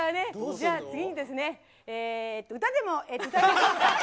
じゃあ、次にですね、歌でも歌いましょうか。